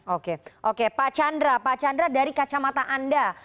oke pak chandra dari kacamata anda